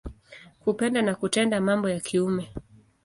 Kupenda na kutenda mambo ya kiume.